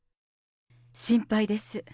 心配です。